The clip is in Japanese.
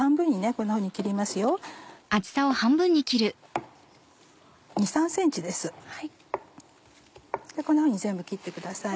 こんなふうに全部切ってください。